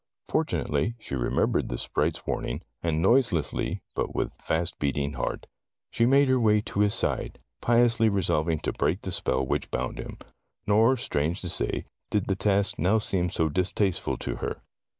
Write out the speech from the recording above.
Fortunately, she remembered the sprite's warning, and noiselessly, but with fast beating heart, she made her way to his side, piously resolved to break the spell which bound him. Nor, strange to say, did the task now seem so distasteful to her.